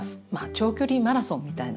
長距離マラソンみたいなもの。